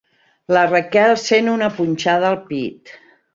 La Raquel sent una punxada al pit.